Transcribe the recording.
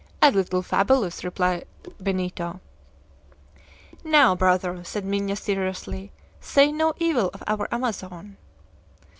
"A little fabulous," replied Benito. "Now, brother," said Minha seriously, "say no evil of our Amazon."